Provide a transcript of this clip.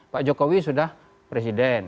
pak jokowi sudah presiden